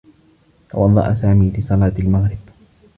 توضّأ سامي لصلاة المغرب.